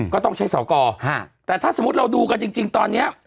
ก็ต้องใช้สอกรแต่ถ้าสมมุติเราดูกันจริงตอนนี้